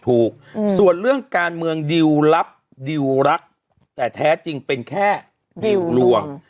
ถูกส่วนเรื่องการเมืองดิวรับดิวรักแต่แท้จริงเป็นแค่ดิวกลัว